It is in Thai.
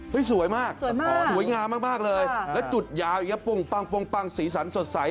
สวยมากสวยมากสวยงามมากเลยแล้วจุดยาวอย่างนี้ปุ้งปังสีสันสดใส